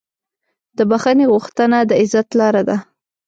د بښنې غوښتنه د عزت لاره ده.